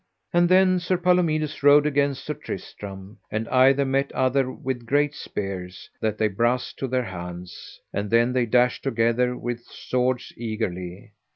And then Sir Palomides rode against Sir Tristram, and either met other with great spears, that they brast to their hands. And then they dashed together with swords eagerly.